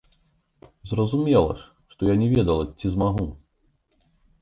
Зразумела ж, што я не ведала ці змагу.